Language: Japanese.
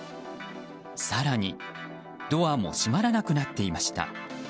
更に、ドアも閉まらなくなっていました。